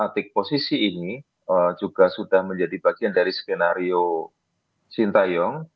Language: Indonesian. titik posisi ini juga sudah menjadi bagian dari skenario sintayong